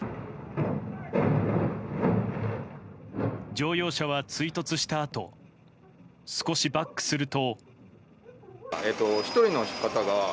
乗用車は追突したあと少しバックすると。